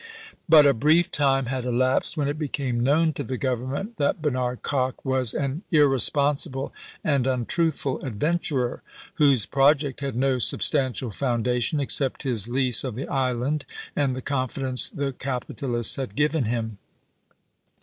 But a brief time had elapsed when it became known to the Grovernment that Bernard Kock was an irresponsible and untruthful adventurer, whose project had no substantial foundation, except his lease of the island and the confidence the capi talists had given him.